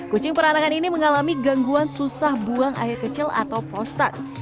kucing peranangan ini mengalami gangguan susah buang air kecil atau prostat